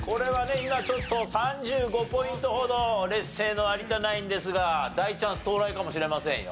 今ちょっと３５ポイントほど劣勢の有田ナインですが大チャンス到来かもしれませんよ。